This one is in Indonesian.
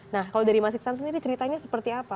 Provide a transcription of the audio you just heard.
nah kalau dari mas iksan sendiri ceritanya seperti apa